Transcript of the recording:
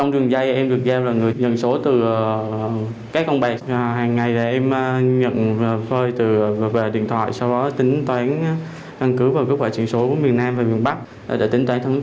đây là đường dây số đề hoạt động rất tinh vi